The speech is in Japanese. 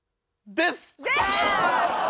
「です！」。